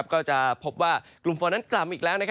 ก็จะพบว่ากลุ่มฝนนั้นกลับมาอีกแล้ว